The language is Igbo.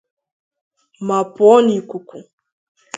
ma pụọ n'ìkùkù.